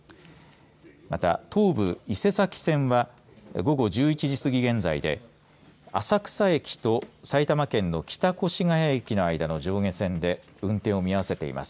また、東武伊勢崎線は午後１１時すぎ現在で浅草駅と埼玉県の北越谷駅の間の上下線で運転を見合わせています。